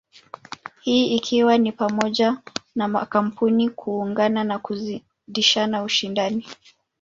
Hii ikiwa ni pamoja na makampuni kuungana na kuzidisha ushindani.